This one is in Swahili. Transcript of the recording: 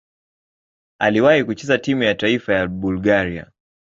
Aliwahi kucheza timu ya taifa ya Bulgaria.